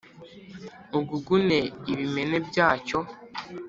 ugugune ibimene byacyo